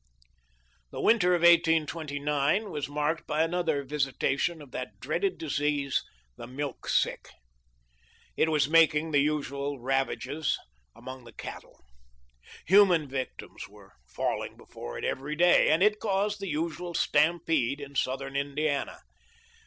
The winter of 1829 was marked by another visi tation of that dreaded disease, " the milk sick." It was making the usual ravages among the cattle. Human victims were falling before it every day, and it caused the usual stampede in southern Indi ana.